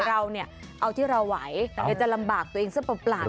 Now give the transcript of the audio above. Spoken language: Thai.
เราเอาที่เราไหวจะลำบากตัวเองซะปล่า